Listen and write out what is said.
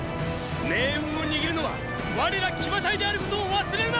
命運を握るのは我ら騎馬隊であることを忘れるな！